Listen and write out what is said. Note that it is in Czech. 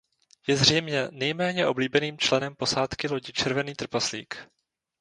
Je zřejmě nejméně oblíbeným členem posádky lodi Červený trpaslík.